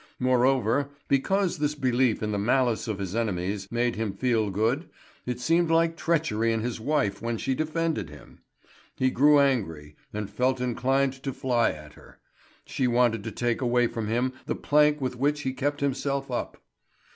Moreover, because this belief in the malice of his enemies made him feel good, it seemed like treachery in his wife when she defended them. He grew angry, and felt inclined to fly at her; she wanted to take away from him the plank with which he kept himself up.